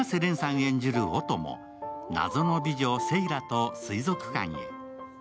演じる音も謎の美女・セイラと水族館へ。